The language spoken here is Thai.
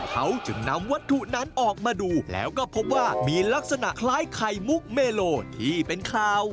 เขาจึงนำวัตถุนั้นออกมาดูแล้วก็พบว่ามีลักษณะคล้ายไข่มุกเมโลที่เป็นข่าว